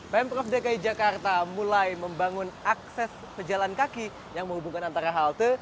pemprov dki jakarta mulai membangun akses pejalan kaki yang menghubungkan antara halte